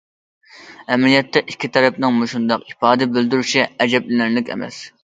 ئەمەلىيەتتە ئىككى تەرەپنىڭ مۇشۇنداق ئىپادە بىلدۈرۈشى ئەجەبلىنەرلىك ئەمەس.